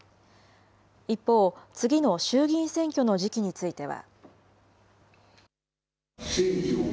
一方、次の衆議院選挙の時期については。